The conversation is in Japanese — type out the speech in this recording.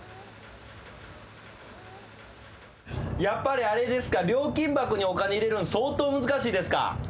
やっぱりあれですか料金箱にお金入れるの相当難しいですか。